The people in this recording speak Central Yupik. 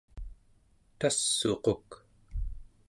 tass'uquk